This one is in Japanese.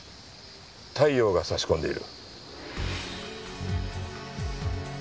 太陽が差し込んでいる。